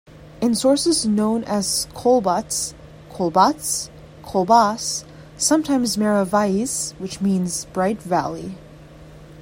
In sources known as "Colbatz", "Kolbatz", "Colbas", sometimes "Mera Vallis" which means "Bright Valley".